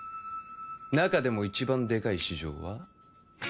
中でも一番でかい市場は？